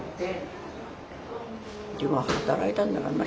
でも働いたんだからな。